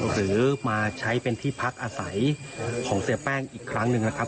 หรือมาใช้เป็นที่พักอาศัยของเสียแป้งอีกครั้งหนึ่งนะครับ